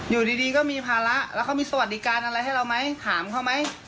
อยู่ดีก็มีภาระแล้วเขามีสวัสดิการอะไรให้เราไหมถามเขาไหม